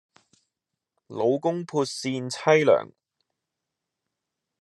老公撥扇妻涼